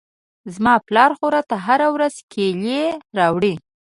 زما پلار خو راته هره ورځ کېلې راوړي.